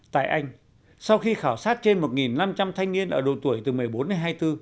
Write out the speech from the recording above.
tại anh sau khi khảo sát trên một năm trăm linh thanh niên ở độ tuổi từ một mươi bốn đến hai mươi bốn